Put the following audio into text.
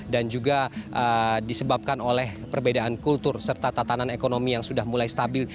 dan juga disebabkan oleh perbedaan kultur serta tatanan ekonomi yang sudah mulai stabil